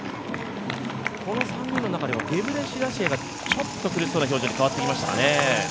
この３人の中ではゲブレシラシエがちょっと苦しそうな表情に変わってきましたかね。